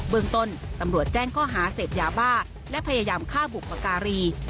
เมืองต้นตำรวจแจ้งข้อหาเสพยาบ้าและพยายามฆ่าบุพการี